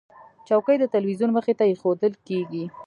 چوکۍ د تلویزیون مخې ته ایښودل کېږي.